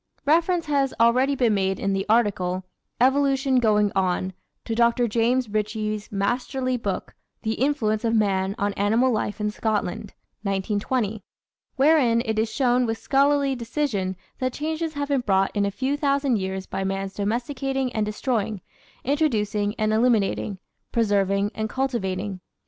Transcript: Reference has already been made in the article, EVOLUTION GOING ON, to Dr. James Ritchie's masterly book, The Influence of Man on Animal Life in Scotland (1920), wherein it is shown with scholarly precision what changes have been wrought in a few thousand years by man's domesticating and destroying, intro ducing and eliminating, preserving and cultivating.